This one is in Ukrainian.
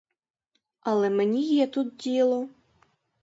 Але мені є тут діло.